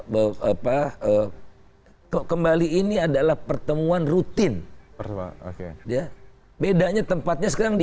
bahwa apa kok kembali ini adalah pertemuan rutin pertama oke dia bedanya tempatnya sekarang di